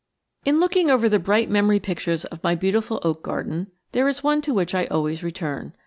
In looking over the bright memory pictures of my beautiful oak garden, there is one to which I always return.